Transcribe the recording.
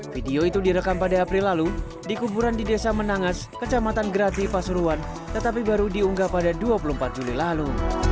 video itu direkam pada april lalu di kuburan di desa menangas kecamatan grati pasuruan tetapi baru diunggah pada dua puluh empat juli lalu